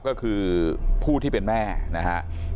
ก็คือผู้ที่เป็นแม่นะครับ